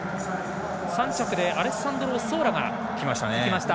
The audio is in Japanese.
３着でアレッサンドロ・オッソーラがきました。